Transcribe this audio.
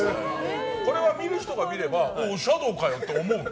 見る人が見ればシャドーかよって思うの？